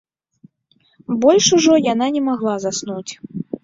Больш ужо яна не магла заснуць.